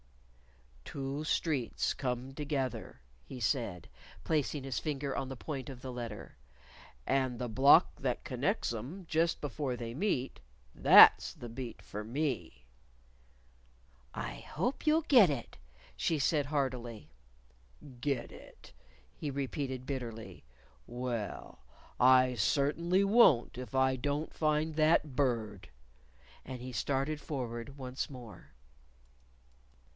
"Two streets come together," he said, placing his finger on the point of the letter. "And the block that connects 'em just before they meet, that's the beat for me." "I hope you'll get it," she said heartily. "Get it!" he repeated bitterly. "Well, I certainly won't if I don't find that Bird!" And he started forward once more.